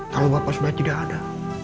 kalau bapak sebenarnya tidak ada